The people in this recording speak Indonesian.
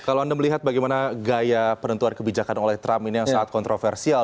kalau anda melihat bagaimana gaya penentuan kebijakan oleh trump ini yang sangat kontroversial